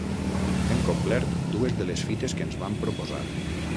Hem complert dues de les fites que ens vam proposar.